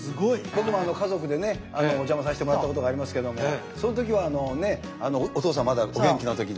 僕も家族でお邪魔させてもらったことがありますけれどもそのときはねおとうさんまだお元気なときで。